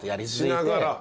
しながら。